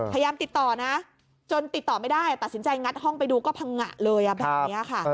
พยายามติดต่อนะจนติดต่อไม่ได้ตัดสินใจงัดห้องไปดูก็พังงะเลยแบบนี้ค่ะ